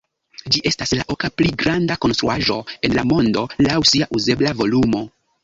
Ĝi estas la oka pli granda konstruaĵo en la mondo laŭ sia uzebla volumo.